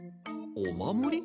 おまもり？